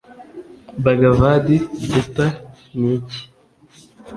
bhagavad gita ni iki?